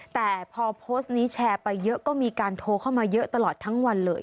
แต่พอโพสต์นี้แชร์ไปเยอะก็มีการโทรเข้ามาเยอะตลอดทั้งวันเลย